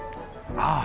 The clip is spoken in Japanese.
ああ！